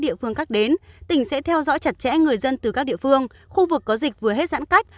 địa phương khác đến tỉnh sẽ theo dõi chặt chẽ người dân từ các địa phương khu vực có dịch vừa hết giãn cách